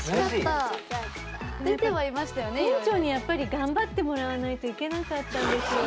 店長にやっぱり頑張ってもらわないといけなかったんですよ。